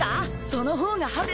その方が派手。